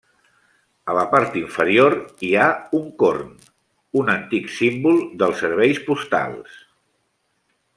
A la part inferior hi ha un corn, un antic símbol dels serveis postals.